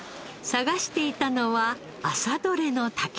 探していたのは朝採れの筍。